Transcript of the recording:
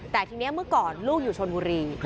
แต่ทีนี้เมื่อก่อนลูกอยู่ชนบุรี